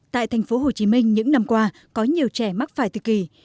tại thành phố hồ chí minh những năm qua có nhiều trẻ mắc phải tự kỷ